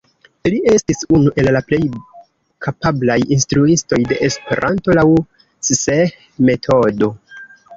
Li estis unu el la plej kapablaj instruistoj de Esperanto laŭ Cseh-metodo.